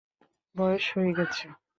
বয়স হয়ে গেছে।